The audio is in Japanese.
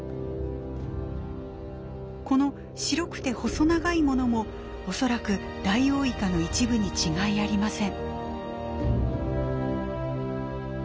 この白くて細長いものも恐らくダイオウイカの一部に違いありません。